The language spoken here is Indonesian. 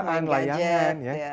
sekarang kan banyak